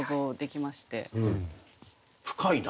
深いな。